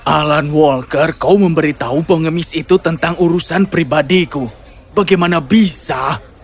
alan walker kau memberitahu pengemis itu tentang urusan pribadiku bagaimana bisa